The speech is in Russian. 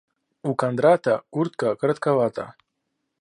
У Кондрата куртка коротковата.